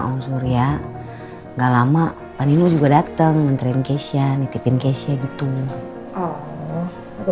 oh surya gak lama paninu juga dateng menteri keisha nitipin keisha gitu oh aku